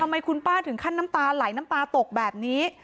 ทำไมคุณป้าถึงขั้นน้ำตาไหลน้ำตาตกแบบนี้